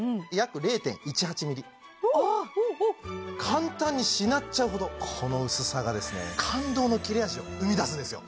簡単にしなっちゃうほどこの薄さがですね感動の切れ味を生み出すんですよ